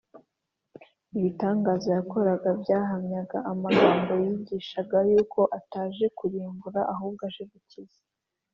ibitangaza yakoraga byahamyaga amagambo yigishaga, yuko ataje kurimbura ahubwo yaje gukiza